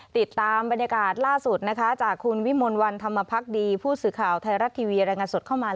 ติดตามบรรยากาศล่าสุดจากคุณวิมนต์วันธรรมพักดีผู้สื่อข่าวไทยรัฐทีวี